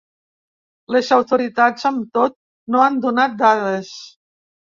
Les autoritats, amb tot, no han donat dades.